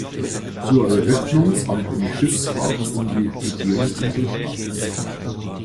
Zur Eröffnung fand eine Schiffsfahrt um die Museumsinsel statt.